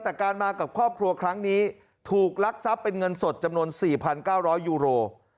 แต่การมากับครอบครัวครั้งนี้ถูกลักทรัพย์เป็นเงินสดจำนวน๔๙๐๐ยูโร